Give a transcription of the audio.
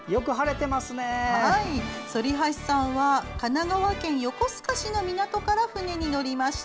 反橋さんは、神奈川県横須賀市の港から船に乗りました。